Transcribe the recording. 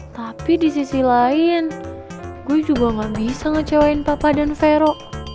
tapi di sisi lain gue juga gak bisa ngecewain papa dan vero